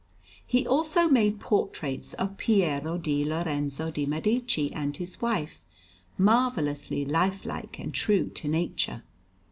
He also made portraits of Piero di Lorenzo de' Medici and his wife, marvellously lifelike and true to nature.